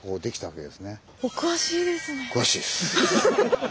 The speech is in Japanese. お詳しいですね。